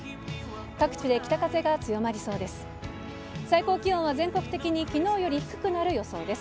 各地で北風が強まりそうです。